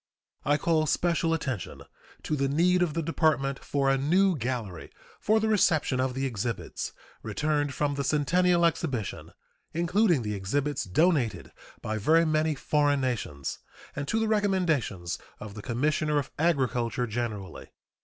I call special attention to the need of the Department for a new gallery for the reception of the exhibits returned from the Centennial Exhibition, including the exhibits donated by very many foreign nations, and to the recommendations of the Commissioner of Agriculture generally.